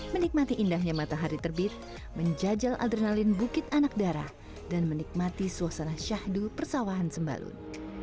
menikmati indahnya matahari terbit menjajal adrenalin bukit anak darah dan menikmati suasana syahdu persawahan sembalun